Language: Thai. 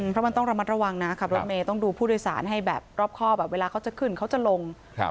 เพราะมันต้องระมัดระวังนะขับรถเมย์ต้องดูผู้โดยสารให้แบบรอบครอบเวลาเขาจะขึ้นเขาจะลง